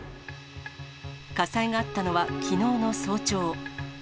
火災があったのはきのうの早朝。